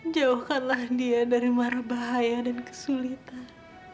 jauhkanlah dia dari marah bahaya dan kesulitan